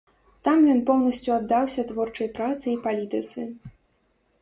Там ён поўнасцю аддаўся творчай працы і палітыцы.